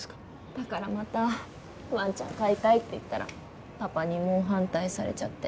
だからまたワンちゃん飼いたいって言ったらパパに猛反対されちゃって。